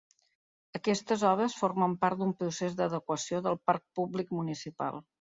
Aquestes obres formen part d’un procés d’adequació del parc públic municipal.